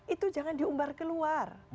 itu jangan diumbar keluar